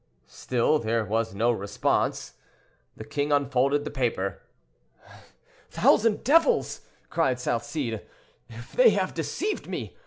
Still there was no response. The king unfolded the paper. "Thousand devils!" cried Salcede, "if they have deceived me!